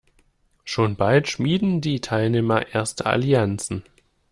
Schon bald schmieden die Teilnehmer erste Allianzen.